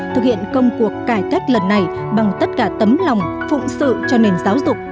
thực hiện công cuộc cải cách lần này bằng tất cả tấm lòng phụng sự cho nền giáo dục